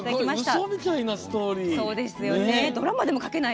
うそみたいなストーリー。